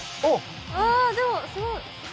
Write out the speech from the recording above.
あでもすごい！